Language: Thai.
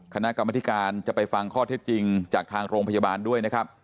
คณะกรรมธิการจะไปฟังข้อเท็จจริงจากทางโรงพยาบาลด้วยนะครับ